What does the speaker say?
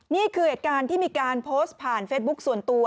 นี่คือเหตุการณ์ที่มีการโพสต์ผ่านเฟซบุ๊คส่วนตัว